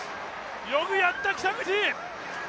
よくやった、北口。